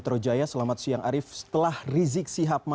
terima kasih pak